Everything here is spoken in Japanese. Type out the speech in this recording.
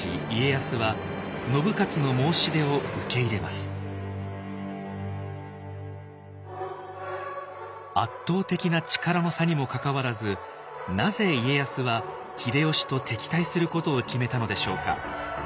しかし家康は圧倒的な力の差にもかかわらずなぜ家康は秀吉と敵対することを決めたのでしょうか。